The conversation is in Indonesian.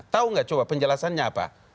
tahu nggak coba penjelasannya apa